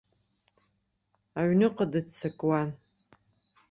Аҩныҟа дыццакуан.